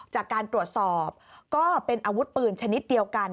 จากการตรวจสอบก็เป็นอาวุธปืนชนิดเดียวกัน